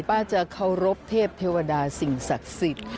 จะเคารพเทพเทวดาสิ่งศักดิ์สิทธิ์